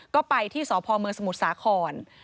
ก็ไปที่สพเมืองสมุทรสาคร